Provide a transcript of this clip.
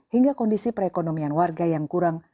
hingga kondisi perekonomian warga yang kurang